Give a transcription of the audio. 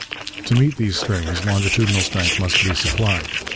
To meet these strains longitudinal strength must be supplied.